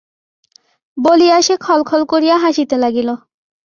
বলিয়া সে খল খল করিয়া হাসিতে লাগিল।